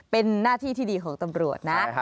เป็นหน้าที่ที่ดีของตำรวจนะ